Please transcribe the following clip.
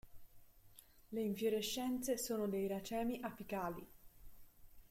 Le infiorescenze sono dei racemi apicali.